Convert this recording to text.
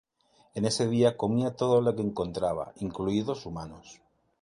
En ese día comía todo lo que encontraba, incluidos humanos.